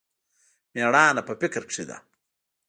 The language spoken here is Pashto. مېړانه په فکر کښې ده.